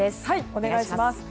お願いします。